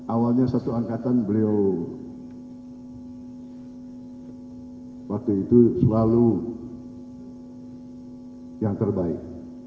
awalnya satu angkatan beliau waktu itu selalu yang terbaik